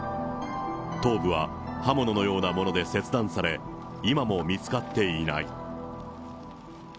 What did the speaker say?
頭部は刃物のようなもので切断され、今も見つかっていない。